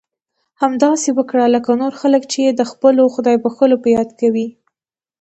همداسې وکړه لکه نور خلک یې چې د خپلو خدای بښلو په یاد کوي.